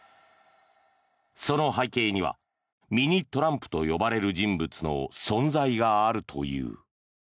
その背景にはミニ・トランプと呼ばれる人物の存在があるという。